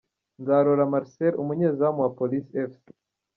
Nzarora Marcel umunyezamu wa Police Fc .